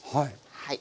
はい。